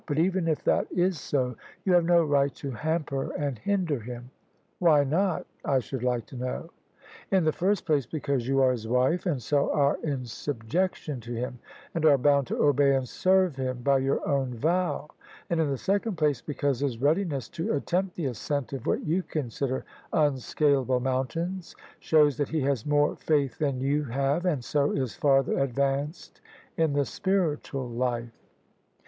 But even if that is so, you have no right to hamper and hinder him." "Why not, I should like to know?" " In the first place because you are his wife, and so are in subjection to him, and are bound to obey and serve him by your own vow: and, in the second place, because his readiness to attempt the ascent of what you consider un scalable mountains, shows that he has more faith than you have, and so is farther advanced in the spiritual life."